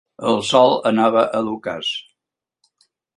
El Sol anava a l'ocàs.